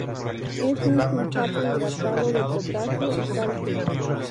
Es un sulfato hidratado de potasio y calcio.